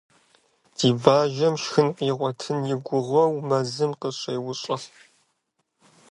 Ди бажэм шхын къигъуэтын и гугъэу мэзым къыщеущыхь.